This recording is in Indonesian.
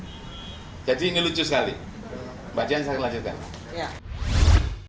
bajian saya lanjutkan